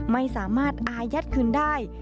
ไม่สามารถอายัดคืนได้